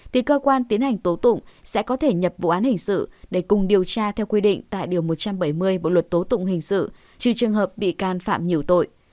thì cơ quan tiến hành tố tụng sẽ có thể nhập vụ án hình sự để cùng điều tra theo quy định tại điều một trăm bảy mươi bộ luật tố tụng hình sự trừ trường hợp bị can phạm nhiều tội